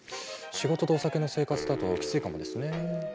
仕事とお酒の生活だとキツいかもですねえ。